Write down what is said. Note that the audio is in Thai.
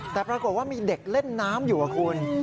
แต่ปรากฏว่ามีเด็กเล่นน้ำอยู่กับคุณ